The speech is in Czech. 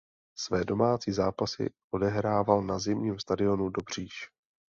Své domácí zápasy odehrával na zimním stadionu Dobříš.